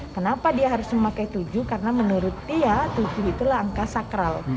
kenapa dia harus memakai tujuh karena menurut dia tujuh itulah angka sakral